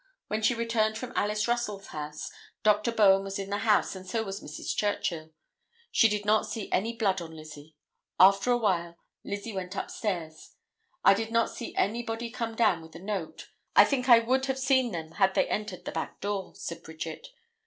When she returned from Alice Russell's house, Dr. Bowen was in the house and so was Mrs. Churchill; she did not see any blood on Lizzie; after awhile Lizzie went upstairs. "I did not see anybody come with a note; I think I would have seen them had they entered the back door," said Bridget.